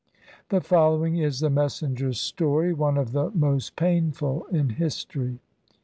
The following is the messenger's story, one of the most painful in history.